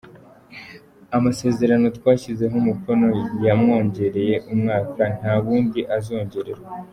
Amasezerano twashyizeho umukono yamwongereye umwaka, nta wundi azongererwa.